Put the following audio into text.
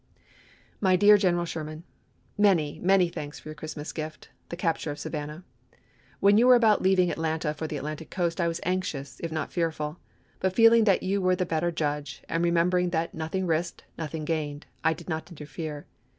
" My deae Genekal Sheeman: Many, many thanks for your Christmas gift, the capture of Savannah. When you were about leaving Atlanta for the Atlantic coast I was anxious, if not fearful; but feeling that you were the better judge, and re membering that ' nothing risked, nothing gained,' I did not interfere.